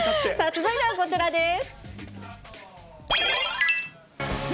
続いてはこちらです。